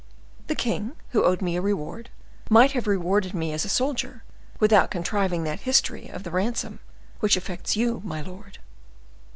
The king, who owed me a reward, might have rewarded me as a soldier, without contriving that history of the ransom, which affects you, my lord."